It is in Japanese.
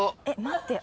えっ？